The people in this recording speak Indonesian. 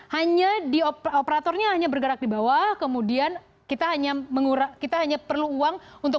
hanya di operatornya hanya bergerak di bawah kemudian kita hanya mengura kita hanya perlu uang untuk